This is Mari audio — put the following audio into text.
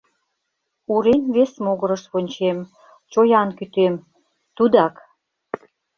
Урем вес могырыш вончем, чоян кӱтем — тудак!